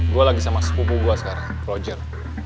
gue lagi sama sepupu gue sekarang project